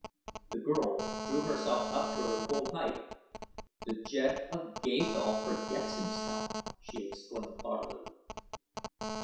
The girl drew herself to her full height. "The Jed of Gathol forgets himself," she exclaimed haughtily.